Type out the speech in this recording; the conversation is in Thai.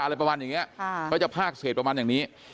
อะไรประมาณอย่างนี้ก็จะภาคเศษประมาณอย่างนี้